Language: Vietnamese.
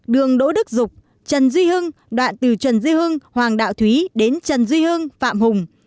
đường đỗ đức dục trần duy hưng đoạn từ trần duy hưng hoàng đạo thúy đến trần duy hưng phạm hùng